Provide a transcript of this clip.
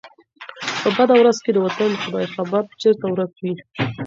په بده ورځ کي د وطن ، خداى خبر ، چرته ورک وې